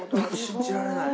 信じられない。